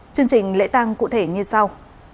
chương trình lễ tăng cụ thể như sau